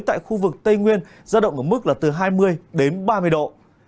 tại khu vực tây nguyên giao động ở mức là từ hai mươi đến ba mươi độ